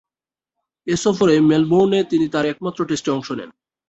এ সফরেই মেলবোর্নে তিনি তার একমাত্র টেস্টে অংশ নেন।